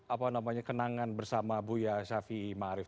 apa namanya kenangan bersama buya shafi'i ma'arif ya